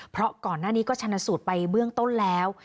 เพราะก่อนหน้านี้ก็ชนะสูตรไปเบื้องต้นแล้ว